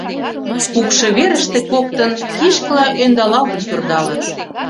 Кукшо верыште коктын кишкыла ӧндалалтын пӧрдалыт.